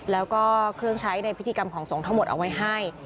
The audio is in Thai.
แล้วก็เครื่องใช้ในพิธีกรรมของสงฆ์ทั้งหมดเอาไว้ให้